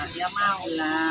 dia mau lah